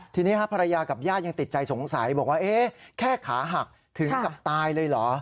ทีนี้ภรรยากับญาติยังติดใจสงสัยบอกว่าแค่ขาหักถึงกับตายเลยเหรอ